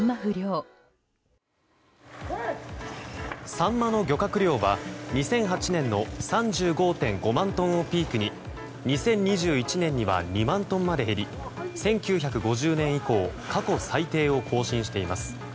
サンマの漁獲量は２００８年の３５．５万トンをピークに２０２１年には２万トンまで減り１９５０年以降過去最低を更新しています。